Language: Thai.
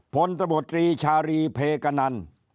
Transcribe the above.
ตบตรีชารีเพกนัน